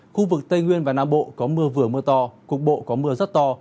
khu vực tây nguyên và nam bộ có mưa vừa mưa to cục bộ có mưa rất to